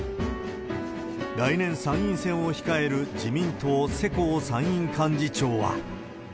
来年、参院選を控える、自民党、世耕参院幹事長は。